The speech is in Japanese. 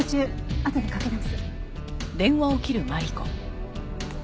あとでかけ直す。